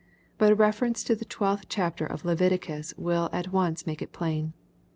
But a reference to the twelfth chapter of Leviti i cus will at once make it plain.